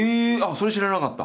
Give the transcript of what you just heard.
それ知らなかった。